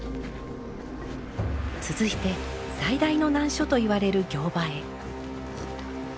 続いて最大の難所といわれる行場へ。